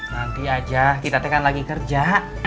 nanti aja kita tekan lagi kerja